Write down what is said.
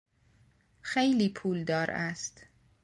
خیلی پولدار است.